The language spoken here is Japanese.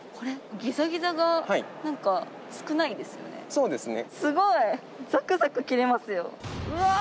そうですね。